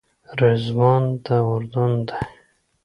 رضوان د اردن دی.